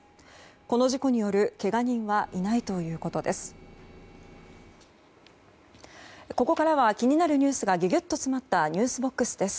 この事故によるけが人はいないということです。